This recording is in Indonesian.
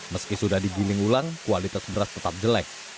meski sudah digiling ulang kualitas beras tetap jelek